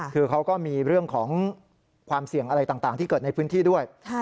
คือเขาก็มีเรื่องของความเสี่ยงอะไรต่างที่เกิดในพื้นที่ด้วย